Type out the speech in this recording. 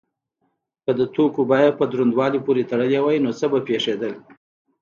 که د توکو بیه په دروندوالي پورې تړلی وای نو څه به پیښیدل؟